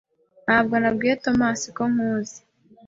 Ntabwo nabwiye Tomasi ko nkuzi.